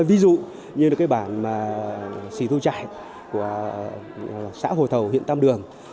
ví dụ như bản sì thu trại của xã hồ thầu huyện tam đường